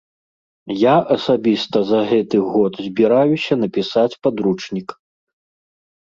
Я асабіста за гэты год збіраюся напісаць падручнік.